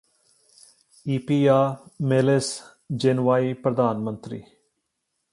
ਈਪੀਆ ਮੇਲੇਸ ਜੇਨਵਾਈ ਪ੍ਰਧਾਨ ਮੰਤਰੀ